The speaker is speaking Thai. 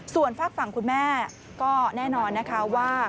ส่วนฝากฝั่งคุณแม่ก็แน่นอนนะคะว่า